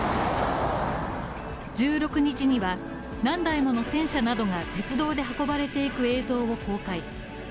１６日には何台もの戦車などが鉄道で運ばれていく映像を公開。